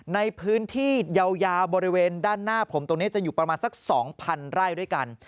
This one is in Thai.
ในพื้นที่ยาวบริเวณด้านหน้าผมตรงนี้จะอยู่ประมาณสัก๒๐๐ไร่ด้วยกัน